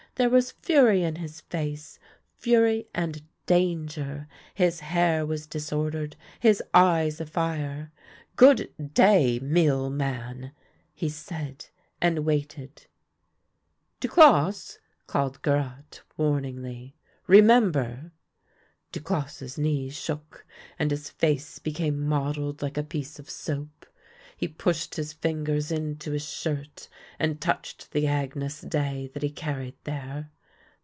There was fury in his face — fury and danger ; his hair was disordered, his eyes afire. " Good day, mealman," he said, and waited. " Duclosse," called Garotte, warningly, " remem ber!" Duclosse's knees shook, and his face became mottled like a piece of soap ; he pushed his fingers into his shirt and touched the Agnus Dei that he carried there.